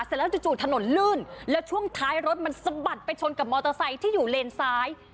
เสร็จแล้วจู่ถนนลื่นแล้วช่วงท้ายรถมันสะบัดไปชนกับมอเตอร์ไซค์ที่อยู่เลนซ้าย